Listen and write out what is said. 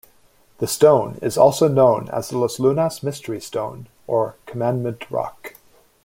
The stone is also known as the Los Lunas Mystery Stone or Commandment Rock.